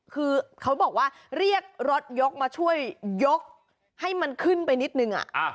คือเขาบอกว่าเรียกรถยกมาช่วยยกให้มันขึ้นไปนิดนึง